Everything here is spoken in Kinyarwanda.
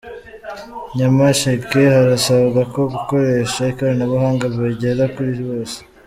Nyamasheke Harasabwa ko gukoresha ikoranabuhanga bigera kuri bose